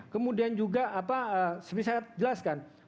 kemudian juga seperti yang saya jelaskan